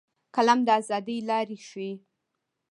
قلم د ازادۍ لارې ښيي